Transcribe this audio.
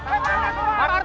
eh pak arta keluar